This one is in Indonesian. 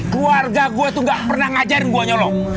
keluarga gue tuh nggak pernah ngajarin gue nyolong